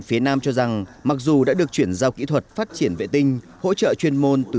phía nam cho rằng mặc dù đã được chuyển giao kỹ thuật phát triển vệ tinh hỗ trợ chuyên môn từ